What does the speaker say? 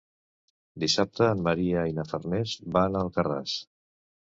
Dissabte en Maria i na Farners van a Alcarràs.